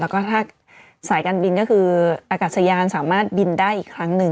แล้วก็ถ้าสายการบินก็คืออากาศยานสามารถบินได้อีกครั้งหนึ่ง